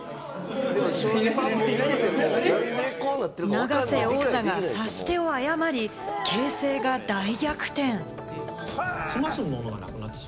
永瀬王座がさし手を誤り、形勢が大逆転。